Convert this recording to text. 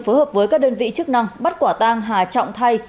phối hợp với các đơn vị chức năng bắt quả tang hà trọng thay